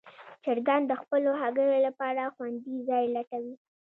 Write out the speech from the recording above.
چرګان د خپلو هګیو لپاره خوندي ځای لټوي.